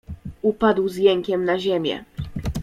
"Upadł z jękiem na ziemię."